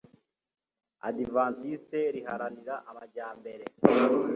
Abadiventisiti riharanira Amajyambere